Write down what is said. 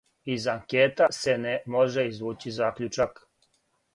Из анкета се не може извући закључак.